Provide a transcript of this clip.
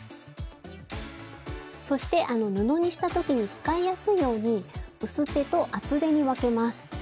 そして布にした時に使いやすいように薄手と厚手に分けます。